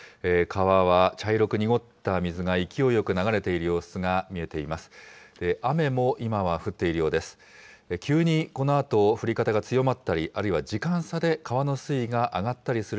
川は茶色く濁った水が勢いよく流れている様子が見えています。